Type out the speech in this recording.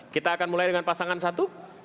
kita akan mulai dengan pasangan satu